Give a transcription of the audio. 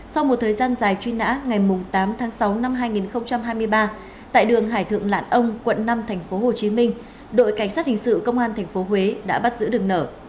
sau một thời gian dài truy nã ngày tám tháng sáu năm hai nghìn hai mươi ba tại đường hải thượng lạn ông quận năm tp hồ chí minh đội cảnh sát hình sự công an tp huế đã bắt giữ được nở